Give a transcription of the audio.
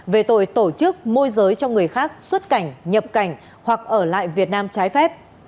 về tội tổ chức môi giới cho người khác xuất cảnh nhập cảnh hoặc ở lại việt nam trái phép